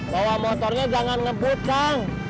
bawa motornya jangan ngebut kang